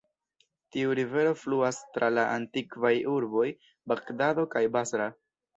Tiu rivero fluas tra la antikvaj urboj Bagdado kaj Basra.